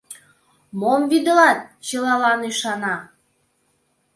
Мом вӱдылат — чылалан ӱшана.